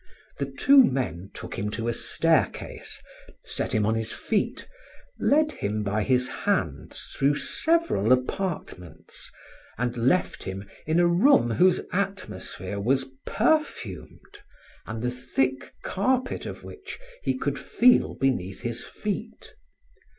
The two men took him to a staircase, set him on his feet, led him by his hands through several apartments, and left him in a room whose atmosphere was perfumed, and the thick carpet of which he could feel beneath his feet.